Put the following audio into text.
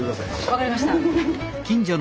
分かりました。